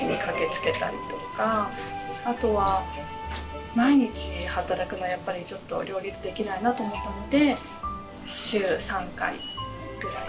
あとは毎日働くのはやっぱりちょっと両立できないなと思ったので週３回ぐらい。